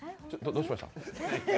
どうしました？